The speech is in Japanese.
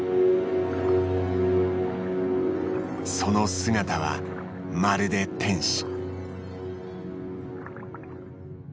その姿はまるで天使。